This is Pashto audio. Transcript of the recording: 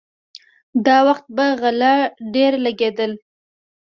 دا وخت به غله ډېر لګېدل.